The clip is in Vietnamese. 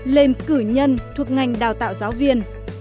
lên cử nhân thuộc ngành đào tạo giáo viên